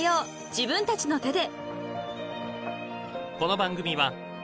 自分たちの手で］